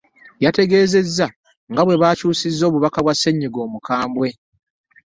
Yategeezezza nga bwe baakyusizza obubaka bwa ssennyiga omukambwe.